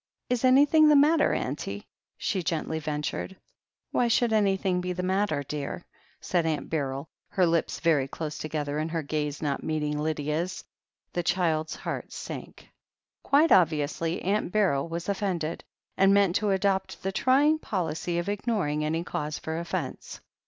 "Is anything the matter, auntie?" she gently ven tured. "Why should anything be the matter, dear?" said Aunt Beryl, her lips very close together and her gaze not meeting Lydia's. The child's heart sank. Quite obviously Aunt Beryl was offended, and meant to adopt the trying policy of ignoring any cause for offence.